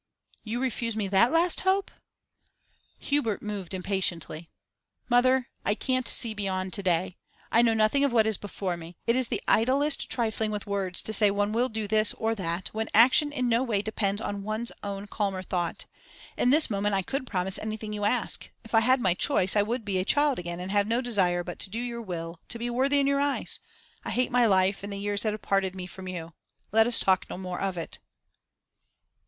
'You refuse me that last hope?' Hubert moved impatiently. 'Mother, I can't see beyond to day! I know nothing of what is before me. It is the idlest trifling with words to say one will do this or that, when action in no way depends on one's own calmer thought. In this moment I could promise anything you ask; if I had my choice, I would be a child again and have no desire but to do your will, to be worthy in your eyes. I hate my life and the years that have parted me from you. Let us talk no more of it.